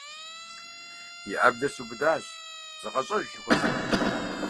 И Ӏэблэр сыубыдащ, зыкъэщӀэж жыхуэсӀэу.